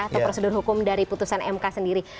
atau prosedur hukum dari putusan mk sendiri